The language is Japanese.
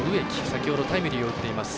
先ほどタイムリーを打っています。